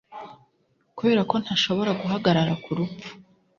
Kubera ko ntashobora guhagarara ku rupfu